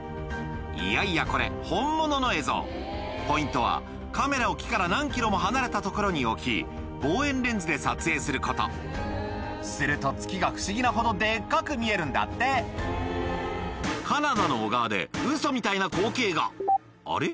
いやいやこれ本物の映像ポイントはカメラを木から何ｋｍも離れた所に置き望遠レンズで撮影することすると月が不思議なほどデッカく見えるんだってカナダの小川でウソみたいな光景があれ？